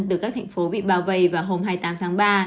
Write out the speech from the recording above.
từ các thành phố bị bao vây vào hôm hai mươi tám tháng ba